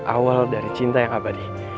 awal dari cinta yang abadi